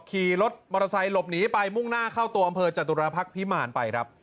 ขี่รถมอเตอร์ไซค์หลบหนีไปมุ่งหน้าเข้าตัวอำเภอจตุรพักษ์พิมารไปครับ